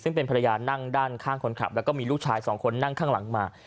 ซึ่งเป็นภรรยานั่งด้านข้างคนขับแล้วก็มีลูกชายสองคนนั่งข้างหลังมา